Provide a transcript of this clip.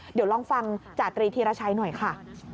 เดี๋ยวลองฟังจาตรีธีรชัยหน่อยค่ะ